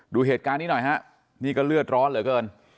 ดูเหตุการณ์นี้หน่อยฮะนี่ก็เลือดร้อนเหลือเกิน